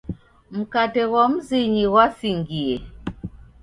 Mkate ghwa mzinyi ghwasingie.